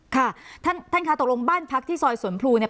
ค่ะท่านท่านค่ะตกลงบ้านพักที่ซอยสวนพลูเนี่ย